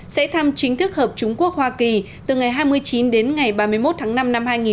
sẽ thăm chính thức hợp chúng quốc hoa kỳ từ ngày hai mươi chín đến ngày ba mươi một tháng năm năm hai nghìn một mươi bảy